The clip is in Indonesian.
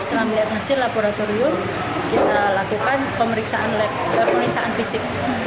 setelah melihat hasil laboratorium kita lakukan pemeriksaan fisik